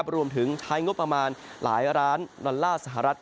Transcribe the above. รวมใช้งบประมาณหลายล้านดอลลาร์สหรัฐ